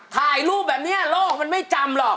ถ่ายรูปแบบนี้โลกมันไม่จำหรอก